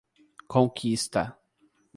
Conquista